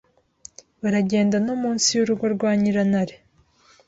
baragenda no munsi y’urugo rwa Nyirantare